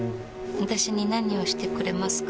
私に何をしてくれますか？